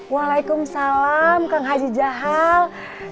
waalaikumsalam kang haji jahal